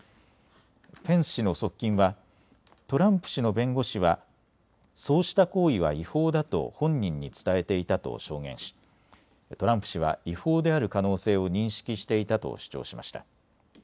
ペンス氏の側近はトランプ氏の弁護士はそうした行為は違法だと本人に伝えていたと証言しトランプ氏は違法である可能性を認識していたと主張しました。